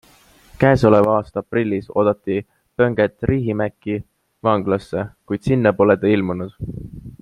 Käesoleva aasta aprillis oodati Pönkät Riihimäki vanglasse, kuid sinna pole ta ilmunud.